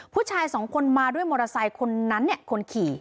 ผู้ชายสองคนมาด้วยมอเตอร์ไซค์คนนั้นเนี่ยคนขี่